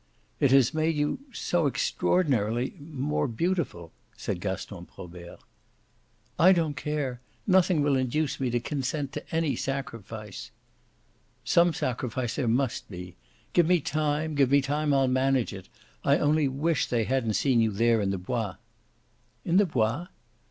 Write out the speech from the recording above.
"It has made you so extraordinarily! more beautiful," said Gaston Probert. "I don't care. Nothing will induce me to consent to any sacrifice." "Some sacrifice there must be. Give me time give me time, I'll manage it. I only wish they hadn't seen you there in the Bois." "In the Bois?"